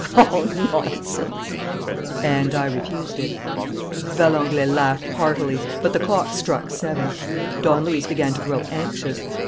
"Oh, nonsense!" "And I refused it." Valenglay laughed heartily; but the clock struck seven. Don Luis began to grow anxious.